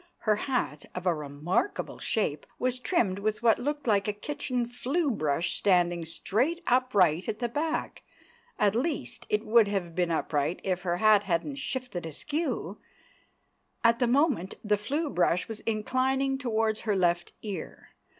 Her hat—of a remarkable shape—was trimmed with what looked like a kitchen flue brush standing straight upright at the back; at least, it would have been upright if her hat hadn't shifted askew; at the moment the flue brush was inclining towards her left ear.